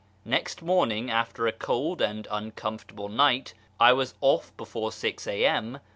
Next morning, after a cold and uncomfortable night, I was off before 6 a.m.